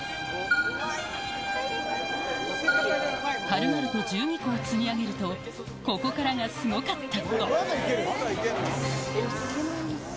軽々と１２個を積み上げると、ここからがすごかった。